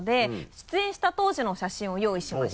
出演した当時の写真を用意しました。